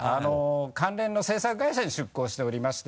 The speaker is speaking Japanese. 関連の制作会社に出向しておりまして。